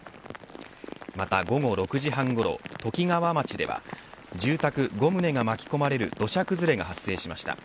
また午後６時半ごろときがわ町では住宅５棟が巻き込まれる土砂崩れが発生しました。